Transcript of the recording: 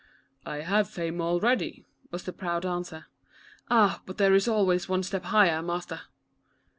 " I have fame already," was the proud answer. "Ah, but there is always one step higher, master."